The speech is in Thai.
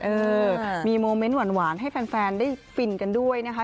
เออมีโมเมนต์หวานให้แฟนได้ฟินกันด้วยนะคะ